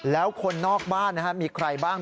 แล้วคนนอกบ้านมีใครบ้าง